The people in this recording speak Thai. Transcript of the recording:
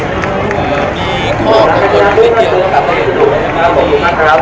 มุมการก็แจ้งแล้วเข้ากลับมานะครับ